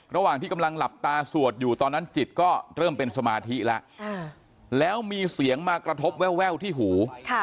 ระหว่างที่กำลังหลับตาสวดอยู่ตอนนั้นจิตก็เริ่มเป็นสมาธิแล้วแล้วมีเสียงมากระทบแววที่หู